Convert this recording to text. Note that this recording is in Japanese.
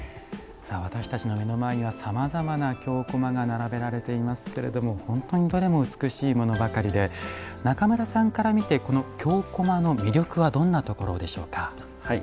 私たちの目の前にはさまざまな京こまが並べられていますけれども本当にどれも美しいものばかりで中村さんから見てこの京こまの魅力はどんなところでしょうか？